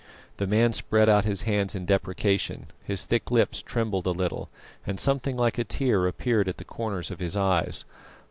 The man spread out his hands in deprecation; his thick lips trembled a little, and something like a tear appeared at the corners of his eyes.